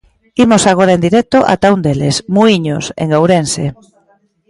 Imos agora en directo ata un deles: Muíños, en Ourense.